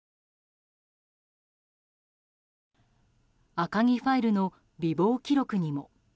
赤木ファイルの備忘記録にも。